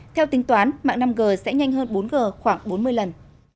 theo tính toán mạng năm g sẽ nhanh hơn bốn g khoảng bốn mươi lần